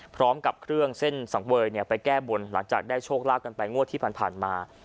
พร้อมกับเครื่องเส้นสังเวยไปแก้บนหลังจากได้โชคลาภกันไปงวดที่ผ่านมา